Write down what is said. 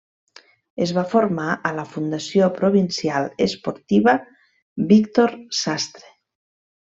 Es va formar a la Fundació Provincial Esportiva Víctor Sastre.